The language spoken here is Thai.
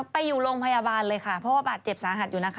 ไปอยู่โรงพยาบาลเลยค่ะเพราะว่าบาดเจ็บสาหัสอยู่นะคะ